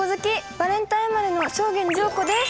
バレンタイン生まれの正源司陽子です。